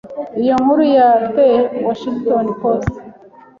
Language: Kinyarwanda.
Iyo nkuru ya The Washington Post